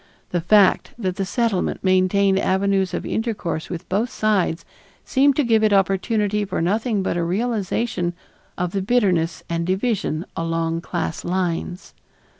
The fact that the Settlement maintained avenues of intercourse with both sides seemed to give it opportunity for nothing but a realization of the bitterness and division along class lines.